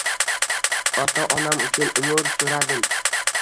Ota-onam uchun umr suradim!